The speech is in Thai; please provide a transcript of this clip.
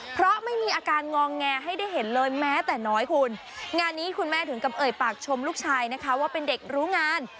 เพราะไม่มีอาการงองแงให้ได้เห็นเลยแม้แต่น้อยคุณงานนี้คุณแม่ถึงกับเอ่ยปากชมลูกชายนะคะว่าเป็นเด็กรู้งาน